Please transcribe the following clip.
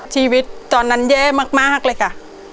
ชีวิตตอนนั้นแย่มากเลยค่ะ